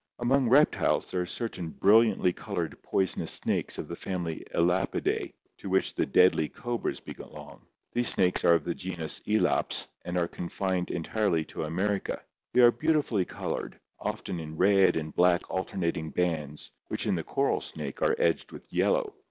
Among reptiles there are cer tain brilliantly colored poisonous snakes Fig. 37.— Dead leaf butterfly, of the family Elapidas to which the Xdlima paroled*, (rom India. deadly cobras belong. These snakes " ei3mium are of the genus Elaps and are confined entirely to America. They are beautifully colored, often in red and black alternating bands which in the coral snake are edged with yellow.